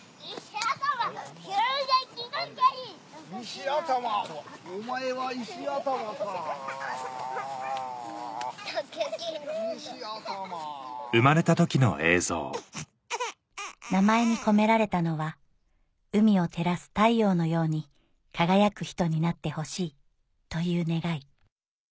・石頭お前は石頭かぁ・名前に込められたのは「海を照らす太陽のように輝く人になってほしい」という願い